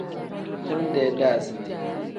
Time-dee daaziti.